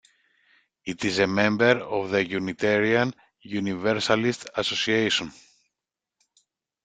It is a member of the Unitarian Universalist Association.